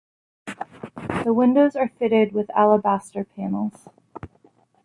The windows are fitted with alabaster panels.